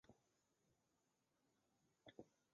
在拿破仑战争中它多次被占领。